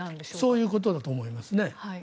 そういうことだと思いますね。